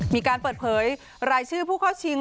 มีการเปิดเผยรายชื่อผู้เข้าชิง